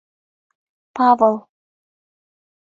Павыл...